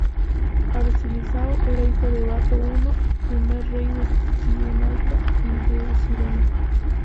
Arcesilao era hijo de Bato I, primer rey de Cirenaica y de Cirene.